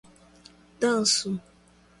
Tanso